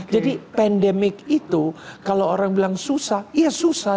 jadi pandemi itu kalau orang bilang susah ya susah